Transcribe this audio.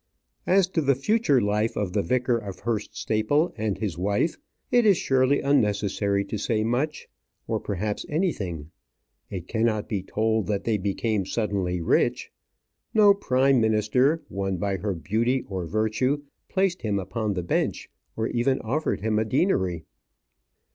As to the future life of the vicar of Hurst Staple and his wife, it is surely unnecessary to say much or perhaps anything. It cannot be told that they became suddenly rich. No prime minister, won by her beauty or virtue, placed him upon the bench, or even offered him a deanery.